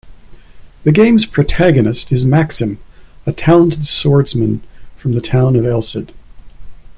The game's protagonist is Maxim, a talented swordsman from the town of Elcid.